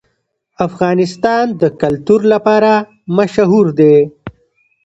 افغانستان د کلتور لپاره مشهور دی.